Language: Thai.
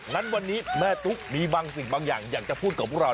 งั้นวันนี้แม่ตุ๊กมีบางสิ่งบางอย่างอยากจะพูดกับพวกเรา